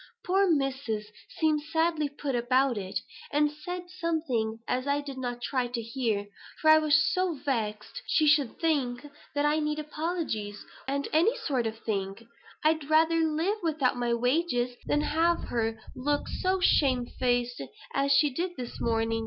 Poor Missus seemed sadly put about, and said something as I did not try to hear; for I was so vexed she should think I needed apologies, and them sort of things. I'd rather live with you without wages than have her look so shame faced as she did this morning.